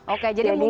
oke jadi mungkin